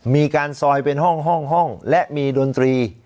มีการซอยเป็นห้องและมีดนตรี